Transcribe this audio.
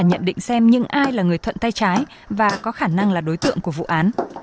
nhận định xem những ai là người thuận tay trái và có khả năng là đối tượng của vụ án